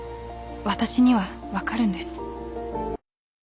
私には分かるんです。